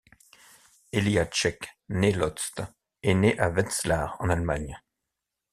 Elli Hatschek, née Lotz, est née à Wetzlar, en Allemagne.